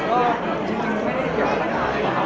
ก็จริงไม่ได้เกี่ยวอะไรอะไรหละครับ